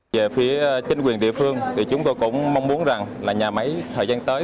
về phía chính quyền địa phương thì chúng tôi cũng mong muốn rằng là nhà máy thời gian tới